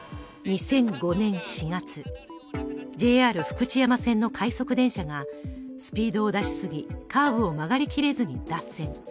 ２００５年４月、ＪＲ福知山線の快速電車がスピードを出しすぎカーブを曲がりきれずに脱線。